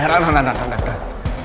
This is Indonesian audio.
eh eh eh randonan